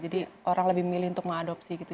jadi orang lebih memilih untuk mengadopsi gitu